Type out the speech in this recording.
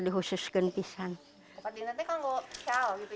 kamu bisa menenun dengan selendang atau apa